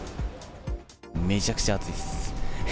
めちゃくちゃ暑いです。